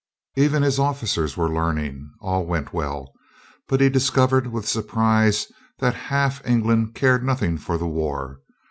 Even his officers were learning. All went well. But he discovered with surprise that half England cared nothing for the war.